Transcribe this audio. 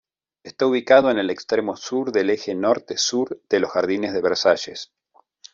Está ubicado en el extremo sur del eje norte-sur de los jardines de Versalles.